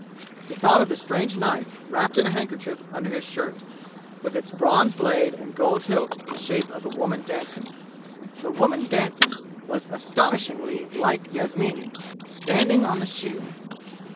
He thought of the strange knife, wrapped in a handkerchief under his shirt, with its bronze blade and gold hilt in the shape of a woman dancing. The woman dancing was astonishingly like Yasmini, standing on the shield!